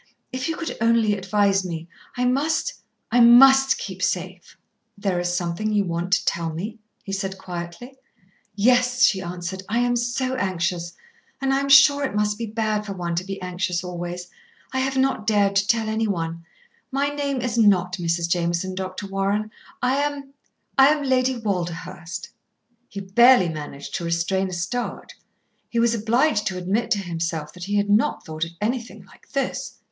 "If you could only advise me; I must I must keep safe." "There is something you want to tell me?" he said quietly. "Yes," she answered. "I am so anxious, and I am sure it must be bad for one to be anxious always. I have not dared to tell anyone. My name is not Mrs. Jameson, Dr. Warren. I am I am Lady Walderhurst." He barely managed to restrain a start. He was obliged to admit to himself that he had not thought of anything like this.